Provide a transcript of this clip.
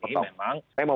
betul saya mau bertanya kemu